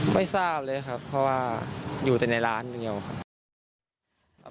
ไม่ทราบเลยครับเพราะว่าอยู่แต่ในร้านเดียวครับ